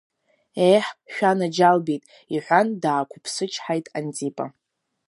Ееҳ, шәанаџьалбеит, — иҳәан, даақәыԥсычҳаит Антипа.